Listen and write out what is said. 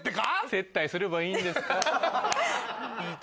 接待すればいいんですか？